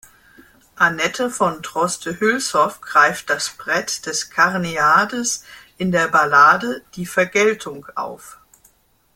Annette von Droste-Hülshoff greift das Brett des Karneades in der Ballade "Die Vergeltung" auf.